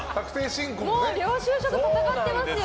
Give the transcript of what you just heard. もう領収書と戦ってますよ！